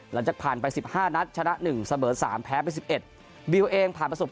หลังจากผ่านไปสิบห้านัดชนะหนึ่งเสมอสามแพ้ประสบการณ์ชบ